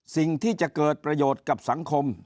สิ่งที่จะเกิดประโยชน์กับสังคม